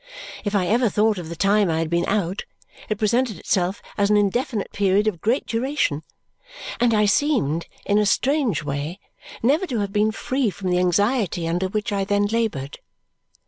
If I ever thought of the time I had been out, it presented itself as an indefinite period of great duration, and I seemed, in a strange way, never to have been free from the anxiety under which I then laboured.